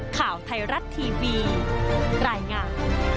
ข่าวไทยรัฐทีวีรายงาน